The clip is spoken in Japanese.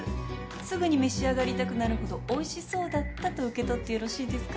すぐに召し上がりたくなるほどおいしそうだったと受け取ってよろしいですか？